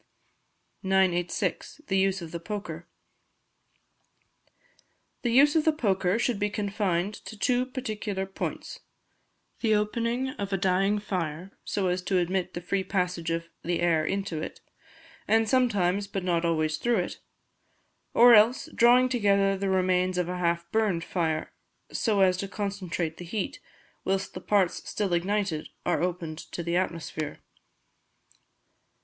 986. The Use of the Poker. The use of the poker should be confined to two particular points the opening of a dying fire, so as to admit the free passage of the air into it, and sometimes, but not always, through it; or else, drawing together the remains of a half burned fire, so as to concentrate the heat, whilst the parts still ignited are opened to the atmosphere.